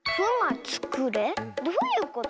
どういうこと？